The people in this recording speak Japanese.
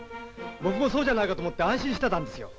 僕もそうじゃないかと思って安心してたんですよ。